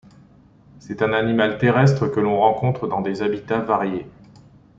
C'est un animal terrestre que l'on rencontre dans des habitats variés.